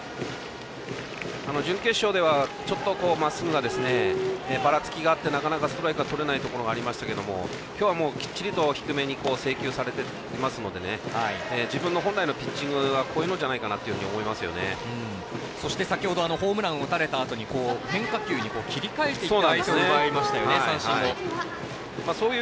準決勝ではちょっと、まっすぐがばらつきがあってなかなか、ストライクがとれないところがありましたが今日は、しっかりと低めに制球されていますので自分の本来のピッチングはこういうのじゃないかとそして、先ほどホームランを打たれたあとに変化球に切り替えていって、三振もという。